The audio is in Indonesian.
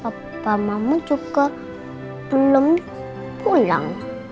papa mama juga belum pulang